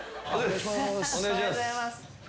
・お願いします。